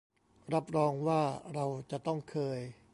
รับรองว่าเราจะต้องเคย